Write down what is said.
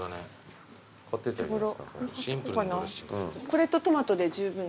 これとトマトで十分。